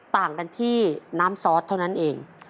ต่างกันที่น้ำซอสเท่านั้นเอง